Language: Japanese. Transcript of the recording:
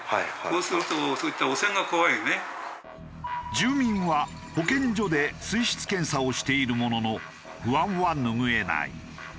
住民は保健所で水質検査をしているものの不安は拭えない。